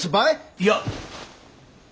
いや。